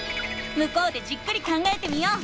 向こうでじっくり考えてみよう。